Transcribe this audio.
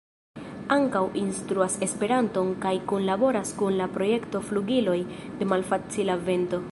Ankaŭ instruas Esperanton kaj kunlaboras kun la projekto Flugiloj de Malfacila Vento.